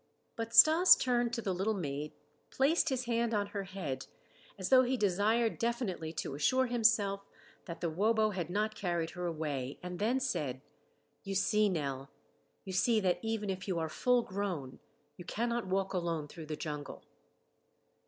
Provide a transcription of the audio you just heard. But Stas turned to the little maid, placed his hand on her head, as though he desired definitely to assure himself that the wobo had not carried her away, and then said: "You see, Nell. You see that even if you are full grown, you cannot walk alone through the jungle."